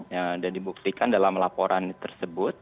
yang sudah dibuktikan dalam laporan tersebut